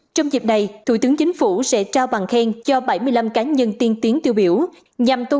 trong dịp này thủ tướng chính phủ sẽ trao bằng khen cho bảy mươi năm cá nhân tiên tiến tiêu biểu nhằm tôn